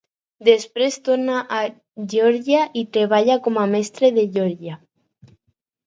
Després tornà a Geòrgia i treballà com a mestre de georgià.